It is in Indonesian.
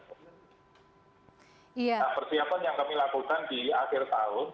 nah persiapan yang kami lakukan di akhir tahun